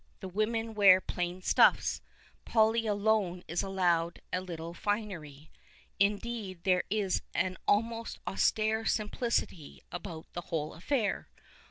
The women wear plain stuffs ; Polly alone is allowed a little finery. Indeed, there is an almost austere simplicity about the whole affair.